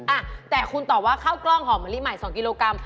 อ่ะแต่คุณตอบว่าข้าวกล้องหอมมะลิใหม่๒กิโลกรัม